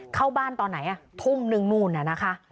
เข้าบ้านตอนไหนทุ่มนึงนู่นน่ะนะคะ